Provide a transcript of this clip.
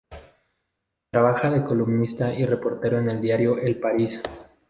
Trabaja de columnista y reportero en el diario "El País".